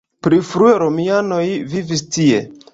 Pli frue romianoj vivis tie.